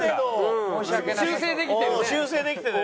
修正できてるね。